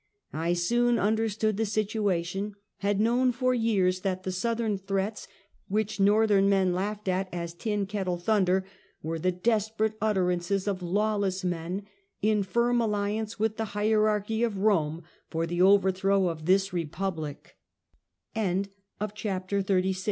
I soon under stood the situation; had known for years that the Southern threats, which Northern men laughed at as " tin kettle thunder," were the desperate utterances of lawless men, in firm alliance with the " Hierarchy of Kome for the overthrow of this Eepubli